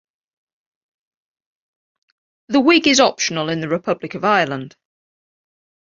The wig is optional in the Republic of Ireland.